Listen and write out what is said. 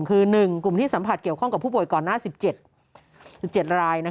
คือ๑กลุ่มที่สัมผัสเกี่ยวข้องกับผู้ป่วยก่อนหน้า๑๗ราย